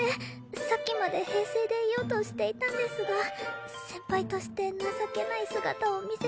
さっきまで平静でいようとしていたんですが先輩として情けない姿を見せてしまい。